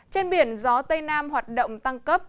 trên biển gió tây nam hoạt động tăng cấp